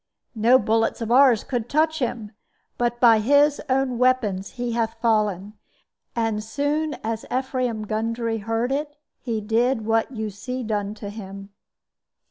No bullets of ours could touch him; but by his own weapons he hath fallen. And soon as Ephraim Gundry heard it, he did what you see done to him."